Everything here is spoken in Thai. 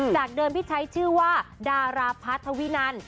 จากเดินพิชัยชื่อว่าดาราพัทธวินัร